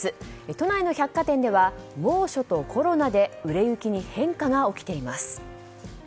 都内の百貨店では猛暑とコロナで売れ行きに変化が起きています。